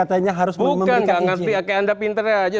bukan nggak ngerti oke anda pinter aja